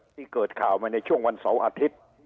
ที่เกิดข่าวมาในช่วงวันเสาร์อาทิตย์